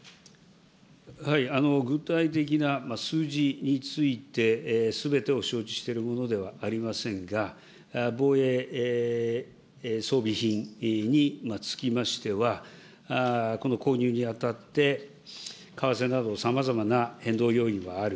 具体的な数字について、すべてを承知しているものではありませんが、防衛装備品につきましては、購入にあたって、為替など、さまざまな変動要因はある。